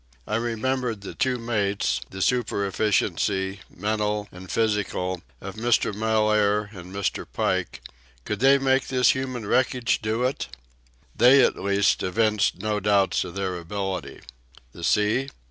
I remembered the two mates, the super efficiency, mental and physical, of Mr. Mellaire and Mr. Pike—could they make this human wreckage do it? They, at least, evinced no doubts of their ability. The sea?